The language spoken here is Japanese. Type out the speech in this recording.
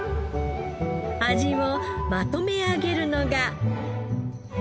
味をまとめ上げるのが。